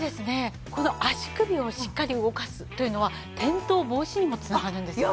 この足首をしっかり動かすというのは転倒防止にも繋がるんですよね。